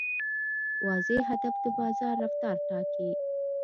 واضح هدف د بازار رفتار ټاکي.